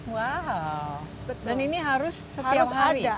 wow dan ini harus setiap hari ya